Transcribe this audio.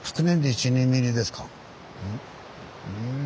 うん？